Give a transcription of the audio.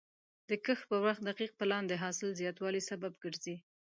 د کښت پر وخت دقیق پلان د حاصل زیاتوالي سبب کېږي.